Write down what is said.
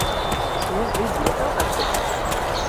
এবং এই বুড়োটাও কাজ করছে না।